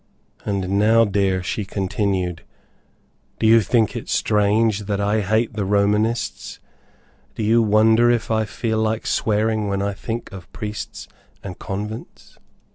"And now, dear," she continued, "do you think it strange that I hate the Romanists? Do you wonder if I feel like swearing when I think of priests and convents?"